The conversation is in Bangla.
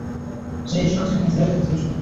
সেই ঈশ্বর হচ্ছেন ইজরাইলীদের স্রষ্টা!